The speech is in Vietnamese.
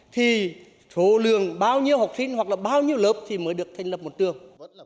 thì số lượng bao nhiêu học sinh hoặc là bao nhiêu lớp thì mới được thành lập một trường